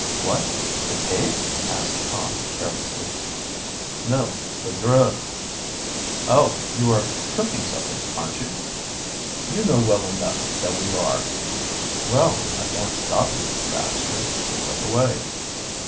"What, the cave?" asked Tom carelessly. "No, the grub." "Oh, you are cooking something, aren't you?" "You know well enough that we are." "Well, I can't stop you, Baxter, so cook away."